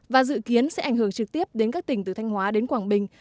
và dự kiến sẽ ảnh hưởng trực tiếp đến các tỉnh từ thanh hóa đến quảng bình